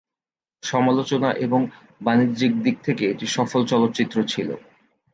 সমালোচনা এবং বাণিজ্যিক দিক থেকে এটি সফল চলচ্চিত্র ছিল।